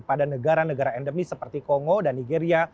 pada negara negara endemis seperti kongo dan nigeria